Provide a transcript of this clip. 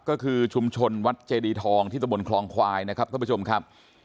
ก็คือชุมชนวัดเจดีทองที่ตะบนคลองควายนะครับท่านผู้ชมครับ